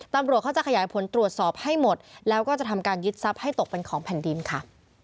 ตำรวจเขาจะขยายผลตรวจสอบให้หมดแล้วก็จะทำการยึดทรัพย์ให้ตกเป็นของแผ่นดินค่ะ